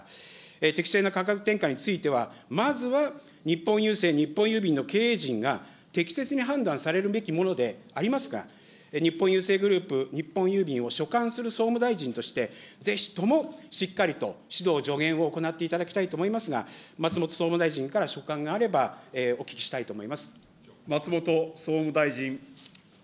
適正な価格転嫁については、まずは日本郵政、日本郵便の経営陣が、適切に判断されるべきものでありますが、日本郵政グループ、日本郵便を所管する総務大臣として、ぜひともしっかりと指導、助言を行っていただきたいと思いますが、松本総務大臣から所感があれば、お聞きしたいと思います。